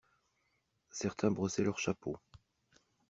Certains brossaient leurs chapeaux.